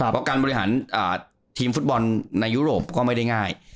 เพราะการบริหารทีมฟุตบอลในยุโรปก็ไม่ได้ง่าย